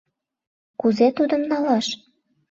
— Кузе тудым налаш?»